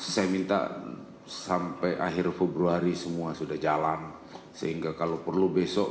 saya minta sampai akhir februari semua sudah jalan sehingga kalau perlu besok